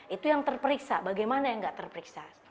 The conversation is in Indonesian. itu yang terperiksa bagaimana yang tidak terperiksa